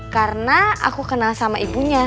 karena aku kenal sama ibunya